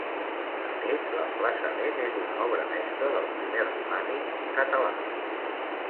A més, l’emplaçament és una obra mestra del primer romànic català.